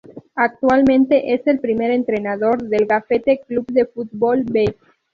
Actualmente es el primer entrenador del Getafe Club de Fútbol "B".